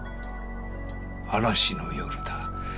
嵐の夜だ。